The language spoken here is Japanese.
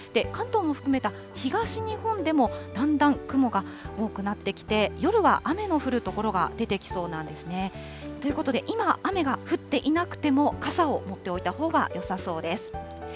関東も含めた東日本でも、だんだん雲が多くなってきて、夜は雨の降る所が出てきそうなんですね。ということで、今、雨が降っていなくても、傘を持っておいたほうがよさそうです。